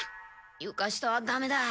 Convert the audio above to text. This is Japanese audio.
ゆか下はダメだ。